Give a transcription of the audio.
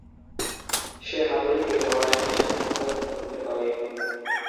সে হাতুড়ি ফিরে পাওয়ার সাথে সাথে ক্ষমতাও পুনরুদ্ধার করে।